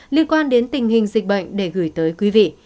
liên quan đến tình hình dịch bệnh để gửi tới quý vị